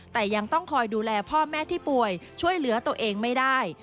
แต่ยังต้องคอยดูแลพ่อแม่ที่ป่วยช่วยเหลือตัวเองไม่ได้